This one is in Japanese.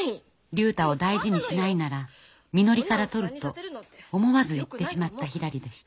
竜太を大事にしないならみのりからとると思わず言ってしまったひらりでした。